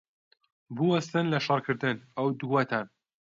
بوەستن لە شەڕکردن، ئەو دووەتان!